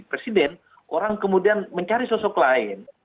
jadi presiden orang kemudian mencari sosok lain